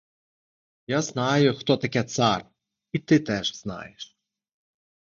Я знаю, хто таке цар, і ти теж знаєш.